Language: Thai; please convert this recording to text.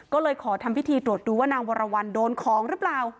ก็เลยขอทำพิธีตรวจดูว่านางวรวรรณโดนของหรือเปล่า